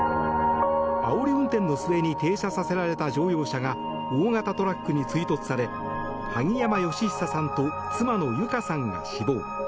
あおり運転の末に停車させられた乗用車が大型トラックに追突され萩山嘉久さんと妻の友香さんが死亡。